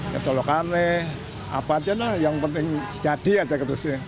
ya colokan nih apa aja lah yang penting jadi aja gitu sih